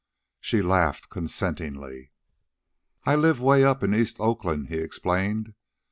She laughed consentingly. "I live 'way up in East Oakland," he explained.